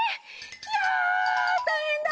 ひゃたいへんだ！